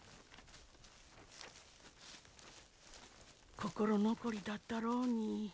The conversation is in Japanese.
心残りだったろうに。